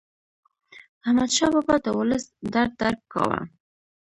احمدشاه بابا د ولس درد درک کاوه.